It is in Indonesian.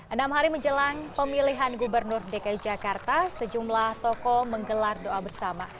enam hari menjelang pemilihan gubernur dki jakarta sejumlah tokoh menggelar doa bersama